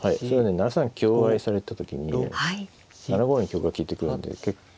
７三香合いされた時に７五に香が利いてくるんで結構。